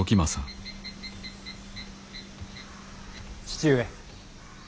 父上。